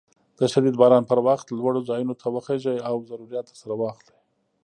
د شديد باران پر وخت لوړو ځايونو ته وخېژئ او ضروريات درسره واخلئ.